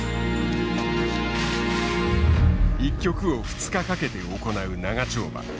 １局を２日かけて行う長丁場。